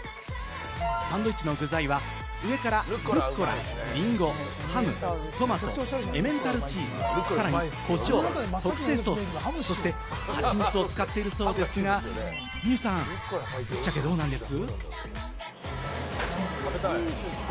サンドイッチの具材は上からルッコラ、りんご、ハム、トマト、エメンタールチーズ、さらにこしょう、特製ソース、そしてハチミツを使っているそうですが、望結さん、ぶっちゃけ、どうなんです？